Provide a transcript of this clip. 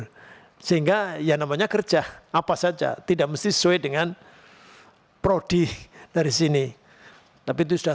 hai sehingga ya namanya kerja apa saja tidak mesti sesuai dengan prodi dari sini tapi itu sudah